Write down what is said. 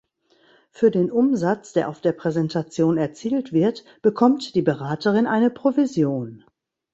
Für den Umsatz, der auf der Präsentation erzielt wird, bekommt die Beraterin eine Provision.